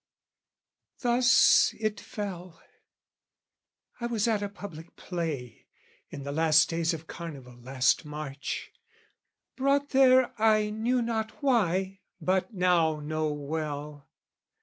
Thus it fell: I was at a public play, In the last days of Carnival last March, Brought there I knew not why, but now know well.